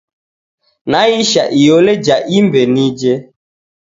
Naisha iyole ja imbe nije.